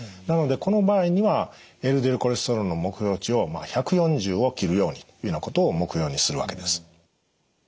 なのでこの場合にはＬＤＬコレステロールの目標値を１４０を切るようにというようなことを目標にするわけです。